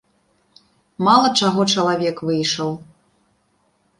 Мала чаго чалавек выйшаў.